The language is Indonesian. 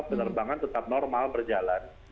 penerbangan tetap normal berjalan